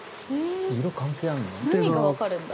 色関係あるんだ。